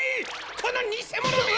このにせものめ！